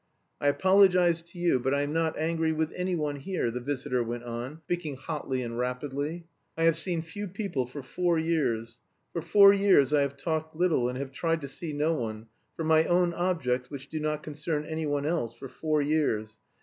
"I apologise to you, but I am not angry with anyone here," the visitor went on, speaking hotly and rapidly. "I have seen few people for four years. For four years I have talked little and have tried to see no one, for my own objects which do not concern anyone else, for four years.